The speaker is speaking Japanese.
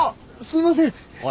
すいません！